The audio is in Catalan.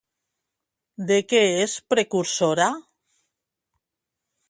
De què és precursora?